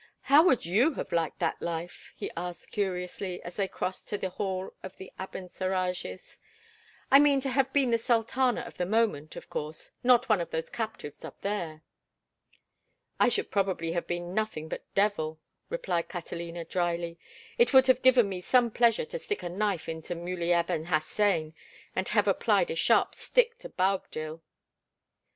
How would you have liked that life?" he asked, curiously, as they crossed to the Hall of the Abencerrages. "I mean to have been the sultana of the moment, of course, not one of those captives up there." "I should probably have been nothing but devil," replied Catalina, dryly. "It would have given me some pleasure to stick a knife into Muley Aben Hassan, and to have applied a sharp stick to Boabdil."